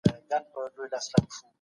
ولي دا تعریف نیمګړی ګڼل کیږي؟